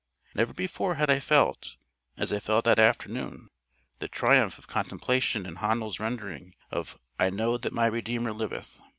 Never before had I felt, as I felt that afternoon, the triumph of contemplation in Handel's rendering of "I know that my Redeemer liveth."